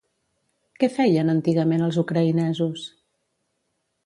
Què feien antigament els ucraïnesos?